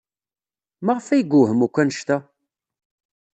Maɣef ay yewhem akk anect-a?